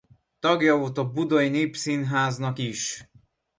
Tagja volt a Budai Népszínháznak is.